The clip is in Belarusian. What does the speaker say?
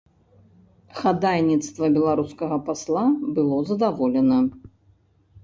Хадайніцтва беларускага пасла было задаволена.